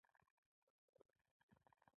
خو د ملاصاحب حافظه هم ړنده ده.